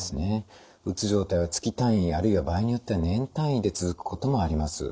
うつ状態は月単位あるいは場合によっては年単位で続くこともあります。